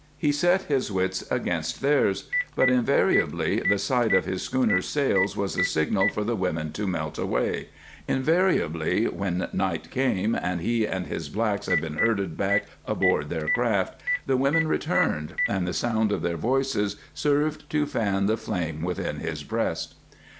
He set his wits against theirs; but invariably the sight of his schooner's sails was a signal for the women to melt away invariably, when night came, and he and his blacks had been herded back aboard their craft, the women returned, and the sound of their voices served to fan the flame within his breast.